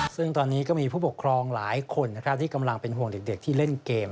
ซึ่งตอนนี้ก็มีผู้ปกครองหลายคนนะครับที่กำลังเป็นห่วงเด็กที่เล่นเกม